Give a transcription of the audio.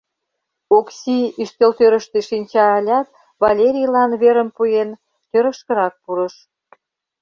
Окси ӱстелтӧрыштӧ шинча ылят, Валерийлан верым пуэн, тӧрышкырак пурыш.